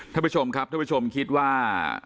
ท่านผู้ชมครับท่านผู้ชมคิดว่า